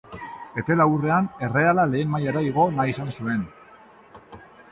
Epe laburrean Erreala lehen mailara igo nahi izan zuen.